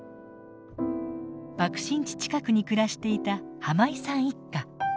爆心地近くに暮らしていた井さん一家。